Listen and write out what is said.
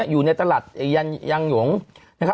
อยู่ในตลาดยางหงษ์